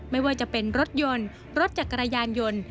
ไม่ว่าจะเป็นรถยนต์รถจักรยานยนต์